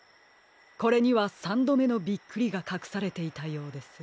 これにはさんどめのびっくりがかくされていたようです。